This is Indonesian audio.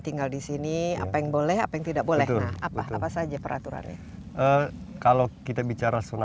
tinggal di sini apa yang boleh apa yang tidak boleh nah apa apa saja peraturannya kalau kita bicara soal